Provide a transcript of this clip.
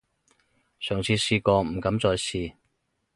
上次試過，唔敢再試